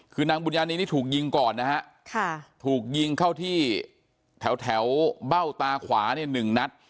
คือนางบุญญานีนี่ถูกยิงก่อนนะฮะถูกยิงเข้าที่แถวเบ้าตาขวาเนี่ย๑นัด